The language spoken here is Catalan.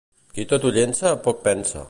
Qui tot ho llença, poc pensa.